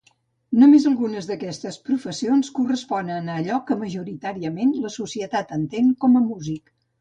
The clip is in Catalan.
Només algunes d'aquestes professions corresponen a allò que majoritàriament la societat entén com a músic.